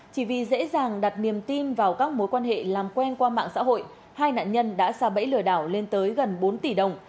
chỉ vì dễ dàng đặt niềm tin vào các mối quan hệ làm quen qua mạng xã hội hai nạn nhân đã xa bẫy lừa đảo lên tới gần bốn tỷ đồng